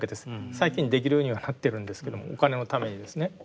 最近できるようにはなってるんですけどもお金のためにですね。